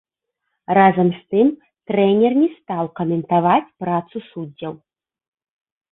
Разам з тым трэнер не стаў каментаваць працу суддзяў.